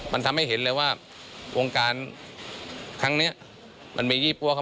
มันทำให้เห็นเลยว่าวงการครั้งเนี้ย